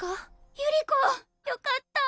百合子よかった！